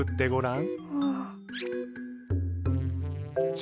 ん。